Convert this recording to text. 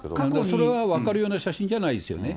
それが分かるような写真ではないですよね。